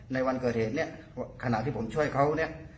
ในวันเกิดเหตุขณะที่ผมช่วยเขา